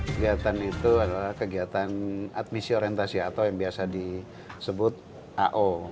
kegiatan itu adalah kegiatan admisi orientasi atau yang biasa disebut ao